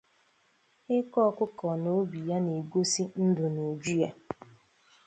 Eko ọkụkọ na obi ya na-egosị ndụ n’uju ya